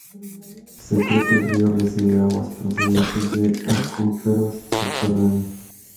Se cree que el río recibe aguas procedentes de acuíferos subterráneos.